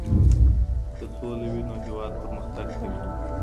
که سوله وي، نو هيواد پرمختګ کوي.